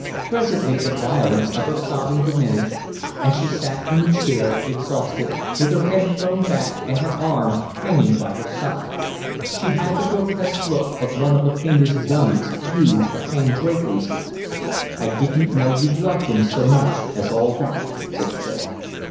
Presently the violence of her sobbing diminished and she sat in the chair, exhausted, with her head thrown back and her arms hanging by her side. She had the grotesque look of one of those painters' dummies used to hang draperies on. "I didn't know you loved him so much as all that," said Philip.